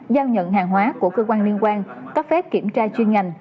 giao nhận hàng hóa của cơ quan liên quan cấp phép kiểm tra chuyên ngành